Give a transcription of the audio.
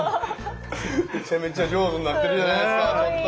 めちゃめちゃ上手になってるじゃないすかちょっと！